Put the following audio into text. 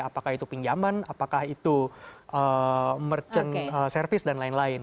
apakah itu pinjaman apakah itu merchant service dan lain lain